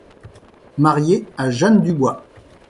Marié à Jeanne Dubois.